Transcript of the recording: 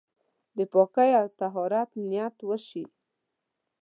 د پاکۍ او طهارت نيت وشي.